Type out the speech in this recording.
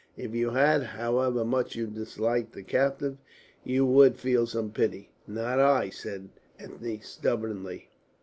If you had, however much you disliked the captive, you would feel some pity." "Not I," said Ethne, stubbornly.